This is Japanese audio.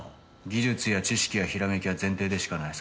技術や知識やひらめきは前提でしかない。